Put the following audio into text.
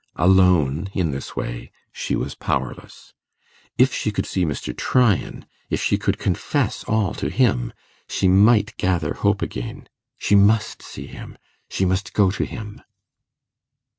Alone, in this way, she was powerless. If she could see Mr. Tryan, if she could confess all to him, she might gather hope again. She must see him; she must go to him.